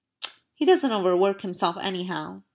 "He doesn't overwork himself anyhow."